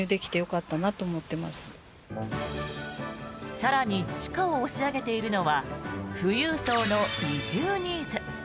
更に地価を押し上げているのは富裕層の移住ニーズ。